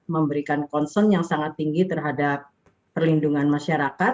memberikan concern yang sangat tinggi terhadap perlindungan masyarakat